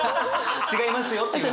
違いますよっていうね。